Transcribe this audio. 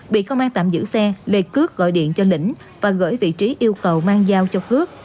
bị công an tạm giữ xe lê cướp gọi điện cho lĩnh và gửi vị trí yêu cầu mang giao cho cướp